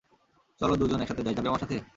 চল দুজন একসাথে যাই, যাবি আমার সাথে?